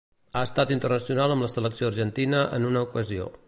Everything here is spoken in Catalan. Ha estat internacional amb la selecció argentina en una ocasió.